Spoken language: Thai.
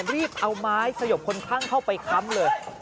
รีบเอาไม้สยบคนข้างเข้าไปค้ำเลย